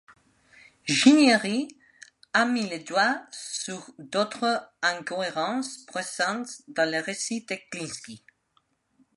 Ginieci a mis le doigt sur d'autres incohérences présentes dans le récit de Glinski.